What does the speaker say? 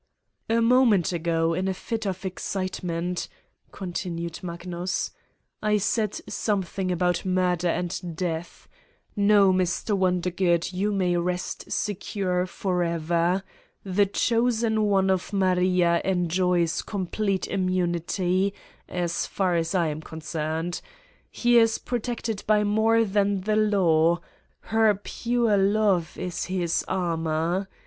"A moment ago, in a fit of excitement, " con tinued Magnus, "I said something about murder and death. ... No, Mr. Wondergood, you may rest secure forever: the chosen one of Maria en joys complete immunity as far as I am concerned. He is protected by more than the law her pure love is his armor.